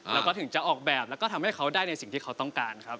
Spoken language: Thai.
แล้วก็ถึงจะออกแบบแล้วก็ทำให้เขาได้ในสิ่งที่เขาต้องการครับ